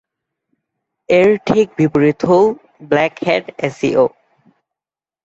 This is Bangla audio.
এর ঠিক বিপরীত হোল ব্ল্যাক হ্যাট এস ই ও।